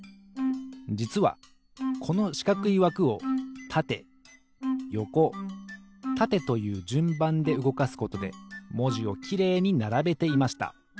じつはこのしかくいわくをたてよこたてというじゅんばんでうごかすことでもじをきれいにならべていました。